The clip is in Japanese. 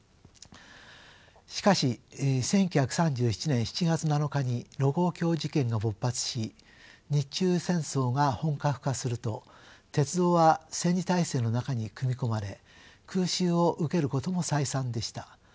しかし１９３７年７月７日に盧溝橋事件が勃発し日中戦争が本格化すると鉄道は戦時体制の中に組み込まれ空襲を受けることも再三でした。